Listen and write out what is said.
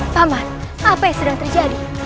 pak mal bahkan yang laisser